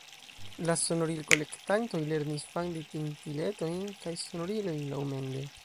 La sonoril-kolektantoj lernis fandi tintiletojn kaj sonorilojn laŭmende.